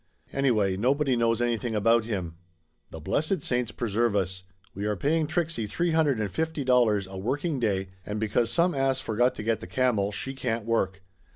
Anyway nobody knows anything about him. The blessed saints preserve us ! We are paying Trixie three hundred and fifty dollars a working day, and be cause some ass forgot to get the camel she can't work